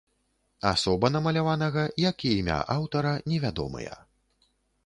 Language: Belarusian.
Асоба намаляванага, як і імя аўтара, невядомыя.